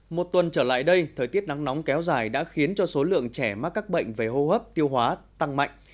một tuần trở lại đây thời tiết nắng nóng kéo dài đã khiến cho số lượng trẻ mắc các bệnh về hô hấp tiêu hóa tăng mạnh